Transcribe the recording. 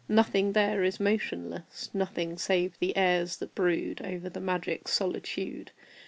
Nothing there is motionless Nothing save the airs that brood Over the magic solitude.